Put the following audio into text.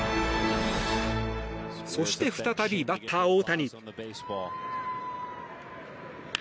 そして再びバッター大谷。